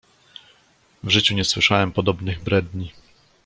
"W życiu nie słyszałem podobnych bredni!"